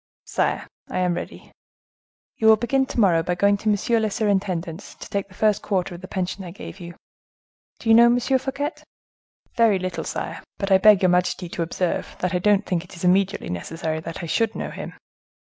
"Sire, I am ready." "You will begin to morrow by going to monsieur le surintendant's to take the first quarter of the pension I give you. Do you know M. Fouquet?" "Very little, sire; but I beg your majesty to observe that I don't think it immediately necessary that I should know him."